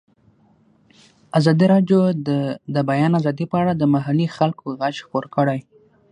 ازادي راډیو د د بیان آزادي په اړه د محلي خلکو غږ خپور کړی.